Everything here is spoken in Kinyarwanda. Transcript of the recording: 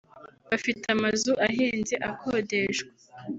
bafite amazu ahenze akodeshwa